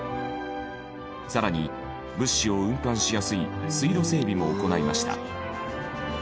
更に物資を運搬しやすい水路整備も行いました。